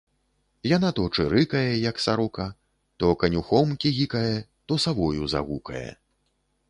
Яна то чырыкае, як сарока, то канюхом кігікае, то савою загукае.